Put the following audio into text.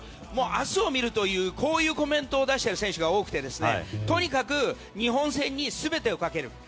明日を見るという、こういうコメントを出している選手が多くてですね、とにかく日本戦に全てをかける。